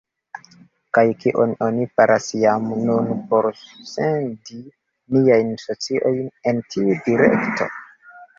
Kaj kion oni faras jam nun por sendi niajn sociojn en tiu direkto?